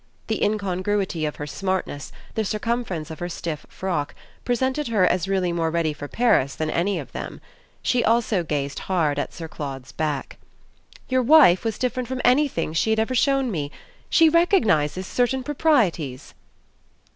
The incongruity of her smartness, the circumference of her stiff frock, presented her as really more ready for Paris than any of them. She also gazed hard at Sir Claude's back. "Your wife was different from anything she had ever shown me. She recognises certain proprieties."